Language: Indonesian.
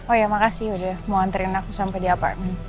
oh ya makasih udah mau anterin aku sampai di apart